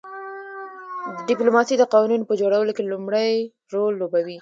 ډیپلوماسي د قوانینو په جوړولو کې لومړی رول لوبوي